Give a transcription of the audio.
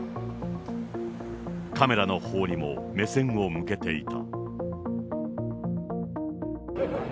カメラのほうにも目線を向けていた。